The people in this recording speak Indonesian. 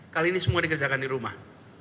kali ini semua dikerjakan di rumah